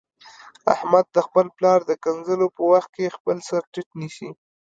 احمد د خپل پلار د کنځلو په وخت کې خپل سرټیټ نیسي.